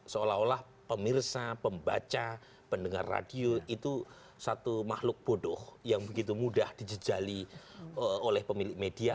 seolah olah pemirsa pembaca pendengar radio itu satu makhluk bodoh yang begitu mudah dijejali oleh pemilik media